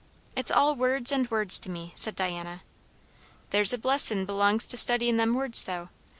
"It's all words and words to me," said Diana. "There's a blessin' belongs to studyin' them words, though.